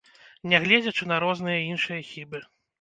Нягледзячы на розныя іншыя хібы.